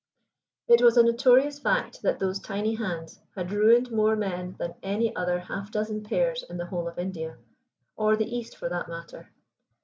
It was a notorious fact that those tiny hands had ruined more men than any other half dozen pairs in the whole of India, or the East for that matter.